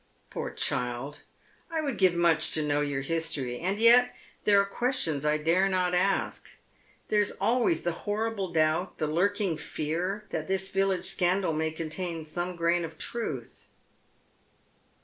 Poor child, I would give much to know your history, and yet there are ques tions I dare not ask. There is always the horrible doubt, the lurking fear that this village scandal may contain some grain of truth."